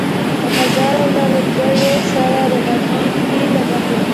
له هزاره لږکیو سره روغنيتۍ له مخې.